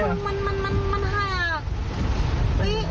มันหาก